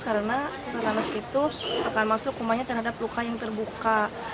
karena tetanus itu akan masuk umumnya terhadap luka yang terbuka